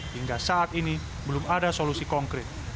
hingga saat ini belum ada solusi konkret